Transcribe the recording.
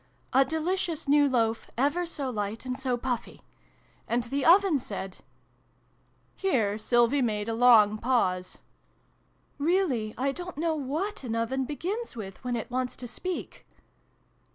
" a delicious new Loaf, ever so light and so puffy. And the Oven said Here Sylvie made a long pause. " Really I don't know what an Oven begins with, when it wants to speak